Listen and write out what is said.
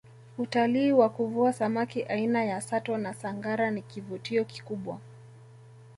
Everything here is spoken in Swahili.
utalii wa kuvua samaki aina ya sato na sangara ni kivutio kikubwa